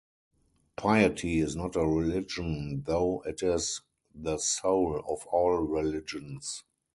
Piety is not a religion, though it is the soul of all religions.